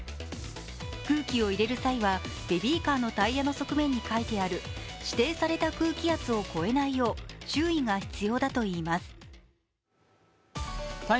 空気を入れる際は、ベビーカーのタイヤの側面に書いてある指定された空気圧を超えないよう注意が必要だといいます。